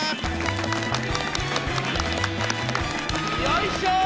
よいしょ！